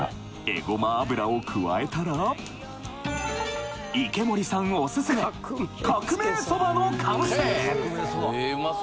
えごま油を加えたら池森さんオススメ革命そばの完成！